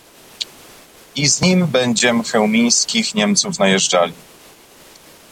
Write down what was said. "I z nim będziem chełmińskich Niemców najeżdżali."